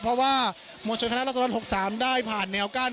เพราะว่าวันชนะฯน่าจะทางละ๑๖๓ไปผ่านเนี่ยกั้น